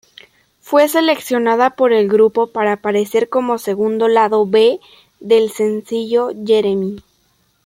Fue seleccionada por el grupo para aparecer como segundo Lado B del sencillo Jeremy.